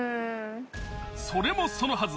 それもそのはず。